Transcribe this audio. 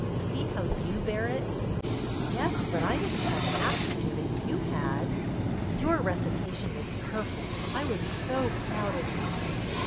See how you bear it." "Yes, but I didn't have half to do that you had." "Your recitation was perfect. I was so proud of you."